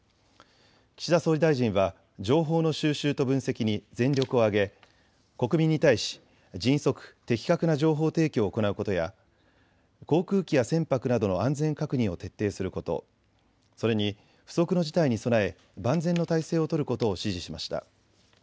岸田総理大臣は情報の収集と分析に全力を挙げ、国民に対し迅速・的確な情報提供を行うことや航空機や船舶などの安全確認を徹底すること、それに不測の事態に備え万全の態勢を取ることを指示しました。